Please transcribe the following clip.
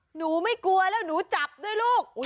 หนูไม่กลัวแล้วหนูจับด้วยลูก